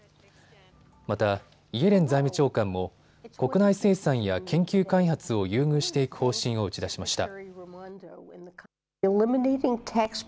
またイエレン財務長官も国内生産や研究開発を優遇していく方針を打ち出しました。